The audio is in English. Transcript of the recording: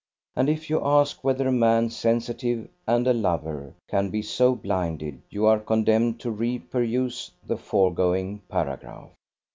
And if you ask whether a man, sensitive and a lover, can be so blinded, you are condemned to re peruse the foregoing paragraph.